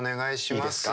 いいですか。